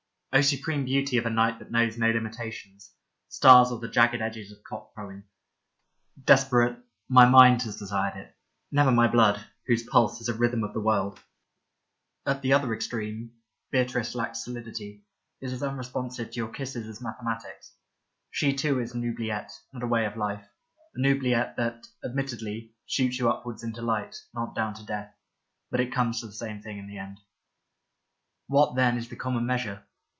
O supreme beauty of a night that knows no limitations — stars or the jagged edges of cock crowing. Desperate, my mind has desired it : never my blood, whose pulse is a rhythm of the world. 54 Leda At the other extreme, Beatrice lacks soHdity, is as unresponsive to your kisses as mathematics. She too is an oubHette, not a way of life ; an oubliette that, admittedly, shoots you upwards into light, not down to death ; but it comes to the same thing in the end. What, then, is the common measure